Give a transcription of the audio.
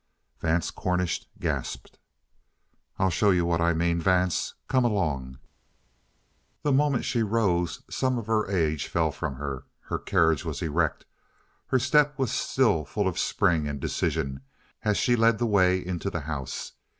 Vance Cornish gasped. "I'll show you what I mean, Vance. Come along." The moment she rose, some of her age fell from her. Her carriage was erect. Her step was still full of spring and decision, as she led the way into the house.